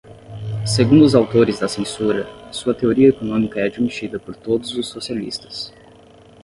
segundo os autores da censura, sua teoria econômica é admitida por todos os socialistas